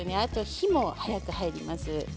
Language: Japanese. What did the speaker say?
火も早く入ります。